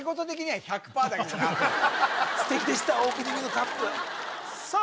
素敵でしたオープニングのタップさあ